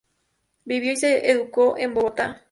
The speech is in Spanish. Vivió y se educó en Bogotá.